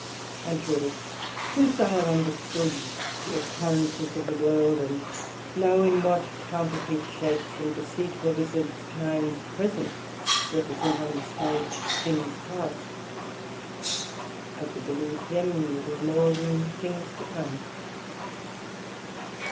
And truely since I have understood the occurrences of the World, and know in what counterfeit shapes, and deceitful vizards times present represent on the stage things past; I do believe them little more then things to come.